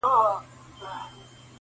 کاڼي په لمن کي لېوني عجیبه و ویل,